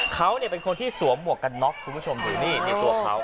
เขาเป็นคนที่สวมหมวกกันน็อกคุณผู้ชมดูนี่ตัวเขา